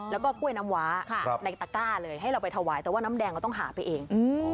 แล้วก็กล้วยน้ำว้าในตะก้าเลยให้เราไปถวายแต่ว่าน้ำแดงเราต้องหาไปเอง